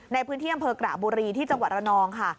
ในพื้นที่อำเภอกระบุรีที่จังหวัดระนองค่ะ